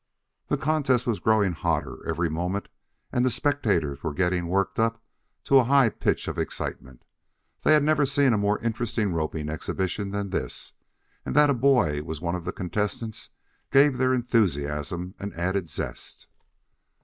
The contest was growing hotter every moment, and the spectators were getting worked up to a high pitch of excitement. They had never seen a more interesting roping exhibition than this, and that a boy was one of the contestants gave their enthusiasm an added zest.